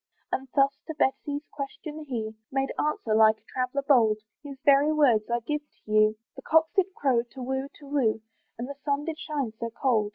And thus to Betty's question, he Made answer, like a traveller bold, (His very words I give to you,) "The cocks did crow to whoo, to whoo, "And the sun did shine so cold."